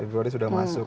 februari sudah masuk